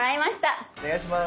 お願いします！